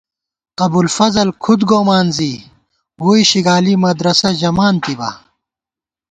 ابُوالفضل کُھد گومان زی، ووئی شِگالی مدرَسہ ژِمانتِبا